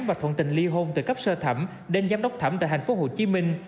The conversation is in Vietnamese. và thuận tình ly hôn từ cấp sơ thẩm đến giám đốc thẩm tại tp hcm